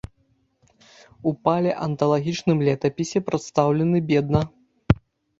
У палеанталагічным летапісе прадстаўлены бедна.